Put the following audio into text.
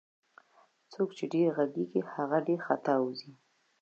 څوک چي ډير ږغږي هغه ډير خطاوزي